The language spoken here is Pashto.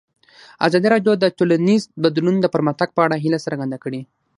ازادي راډیو د ټولنیز بدلون د پرمختګ په اړه هیله څرګنده کړې.